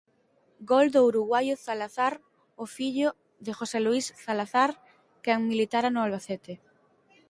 Gol do uruguaio Zalazar, o fillo de José Luís Zalazar, quen militara no Albacete.